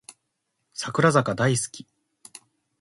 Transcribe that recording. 櫻坂大好き